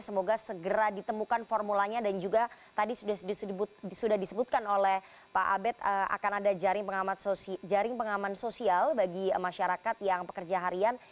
semoga segera ditemukan formulanya dan juga tadi sudah disebutkan oleh pak abed akan ada jaring pengaman sosial bagi masyarakat yang pekerja harian